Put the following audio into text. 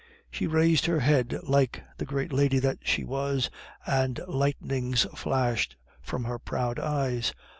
She raised her head like the great lady that she was, and lightnings flashed from her proud eyes.